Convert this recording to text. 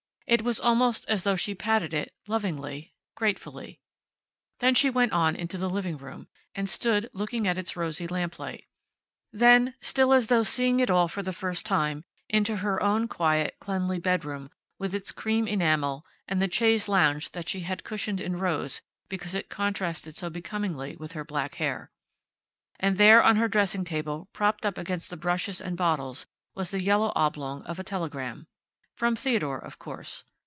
It was almost as though she patted it, lovingly, gratefully. Then she went on into the living room, and stood looking at its rosy lamplight. Then, still as though seeing it all for the first time, into her own quiet, cleanly bedroom, with its cream enamel, and the chaise longue that she had had cushioned in rose because it contrasted so becomingly with her black hair. And there, on her dressing table, propped up against the brushes and bottles, was the yellow oblong of a telegram. From Theodore of course.